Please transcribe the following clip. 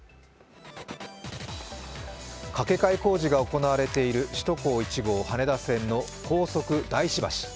架け替え工事が行われている首都高速１号羽田線の高速大師橋。